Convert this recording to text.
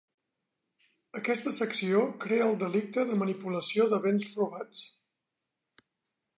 Aquesta secció crea el delicte de manipulació de béns robats.